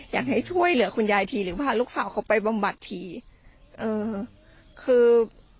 อยากให้ช่วยเหลือคุณยายทีหรือพาลูกสาวเขาไปบำบัดทีเออคือ